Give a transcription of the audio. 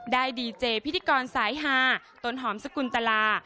ดีเจพิธีกรสายฮาต้นหอมสกุลตลา